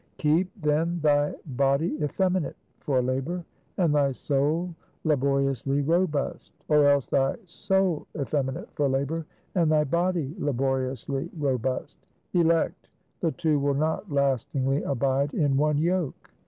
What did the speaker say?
Keep, then, thy body effeminate for labor, and thy soul laboriously robust; or else thy soul effeminate for labor, and thy body laboriously robust. Elect! the two will not lastingly abide in one yoke.